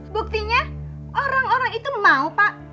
buktinya orang orang itu mau pak